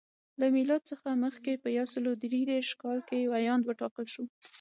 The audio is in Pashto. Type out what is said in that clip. له میلاد څخه مخکې په یو سل درې دېرش کال کې ویاند وټاکل شو.